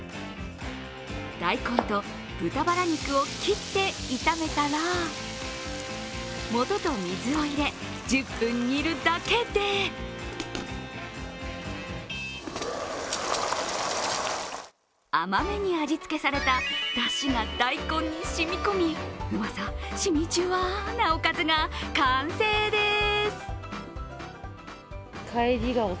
大根と豚バラ肉を切って炒めたら、素と水を入れ、１０分煮るだけで甘めに味付けされただしが大根に染み込み、うまさ、しみじゅわなおかずが完成です。